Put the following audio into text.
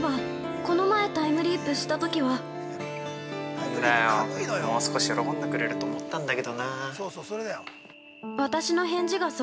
◆なんだよもう少し喜んでくれると思ったんだけどな。